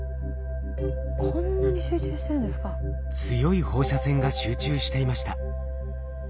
強い放射線が集中していました。